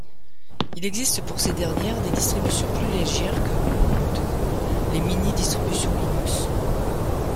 Il existe pour ces dernières des distributions plus légères que Lubuntu, les mini-distributions Linux.